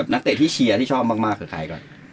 นักเตะที่เชียร์ที่ชอบมากคือใครก่อน